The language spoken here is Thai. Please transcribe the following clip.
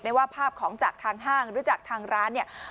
ไม่ว่าภาพของจากทางห้างหรือจากทางร้าน